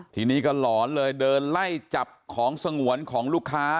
ทีนี้ก็หลอนเลยเดินไล่จับของสงวนของลูกค้า